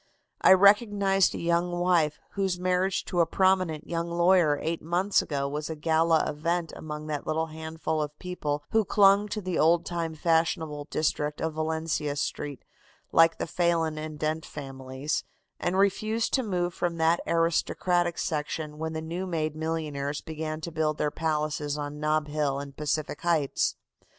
I recognized a young wife, whose marriage to a prominent young lawyer eight months ago was a gala event among that little handful of people who clung to the old time fashionable district of Valencia Street, like the Phelan and Dent families, and refused to move from that aristocratic section when the new made, millionaires began to build their palaces on Nob Hill and Pacific Heights.